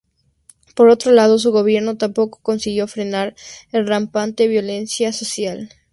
Por otro lado, su gobierno tampoco consiguió frenar la rampante violencia social".